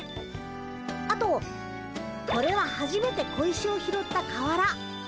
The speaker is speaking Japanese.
あとこれははじめて小石を拾った川原。